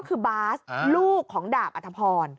คือบาสลูกของดาบอัธพร